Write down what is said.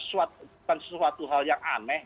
bukan sesuatu hal yang aneh